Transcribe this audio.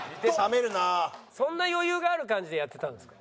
そんな余裕がある感じでやってたんですか？